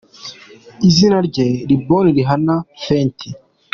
Izina rye ni Robny Rihanna Fenty.